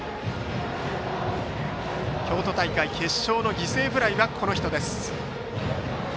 京都大会決勝の犠牲フライはこの人です。